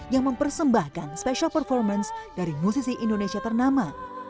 yang mempersembahkan special performance dari musisi indonesia ternama